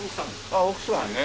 ああ奥さんね。